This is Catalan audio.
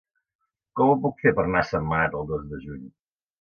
Com ho puc fer per anar a Sentmenat el dos de juny?